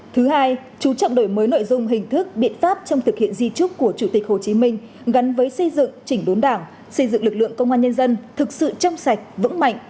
thứ hai chú trọng đổi mới nội dung hình thức biện pháp trong thực hiện di trúc của chủ tịch hồ chí minh gắn với xây dựng chỉnh đốn đảng xây dựng lực lượng công an nhân dân thực sự trong sạch vững mạnh